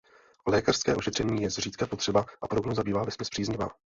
Lékařské ošetření je zřídka potřeba a prognóza bývá vesměs příznivá.